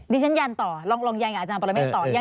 ดิฉันยันต่อลองยันกับอาจารย์ปรเมฆต่อ